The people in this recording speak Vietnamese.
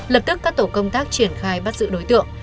lập tức các tổ công tác triển khai bắt giữ đối tượng